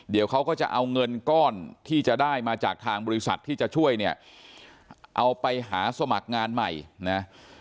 เดี๋ยวเขาก็จะเอาเงินก้อนที่จะได้มาจากทางบริษัทที่จะช่วยเนี่ยเอาไปหาสมัครงานใหม่นะ